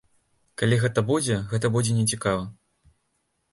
Калі гэта будзе, гэта будзе нецікава.